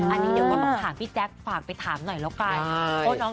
อันนี้เดี๋ยวก็ต้องถามพี่แจ๊คฝากไปถามหน่อยแล้วกัน